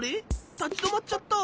たちどまっちゃった。